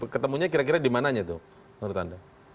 ketemunya kira kira di mananya itu menurut anda